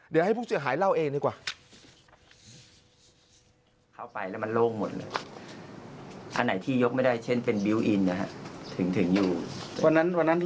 เดี๋ยวให้ผู้เสียหายเล่าเองดีกว่า